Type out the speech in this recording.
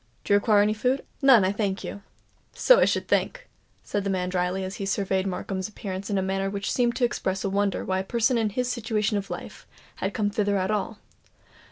Do you require any food?" "None, I thank you." "So I should think," said the man drily, as he surveyed Markham's appearance in a manner which seemed to express a wonder why a person in his situation of life had come thither at all.